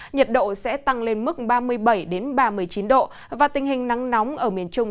nhiệt độ sẽ tăng lên mức ba mươi bảy ba mươi chín độ và tình hình nắng nóng ở miền trung